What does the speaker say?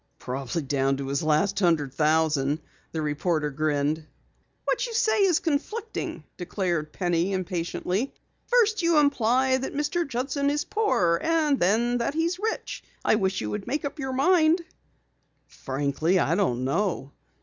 "Probably down to his last hundred thousand," the reporter grinned. "What you say is conflicting," declared Penny impatiently. "First you imply that Mr. Judson is poor, and then that he's rich. I wish you would make up your mind." "Frankly, I don't know.